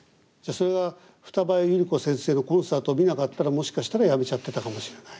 それが二葉百合子先生のコンサートを見なかったらもしかしたらやめちゃってたかもしれない。